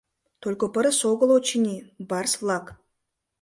— Только пырыс огыл, очыни, барс-влак.